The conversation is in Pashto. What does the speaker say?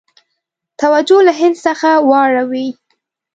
توجه له هند څخه واړوي.